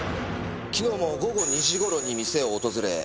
昨日も午後２時頃に店を訪れ。